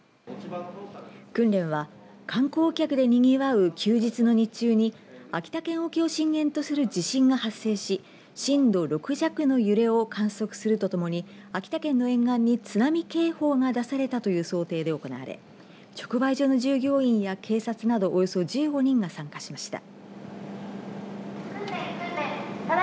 訓練は観光客でにぎわう休日の日中に秋田県沖を震源とする地震が発生し、震度６弱の揺れを観測するとともに秋田県の沿岸に津波警報が出されたという想定で行われ直売所の従業員や警察などおよそ１５人が参加しました。